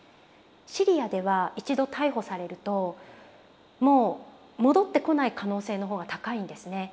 シリアでは一度逮捕されるともう戻ってこない可能性の方が高いんですね。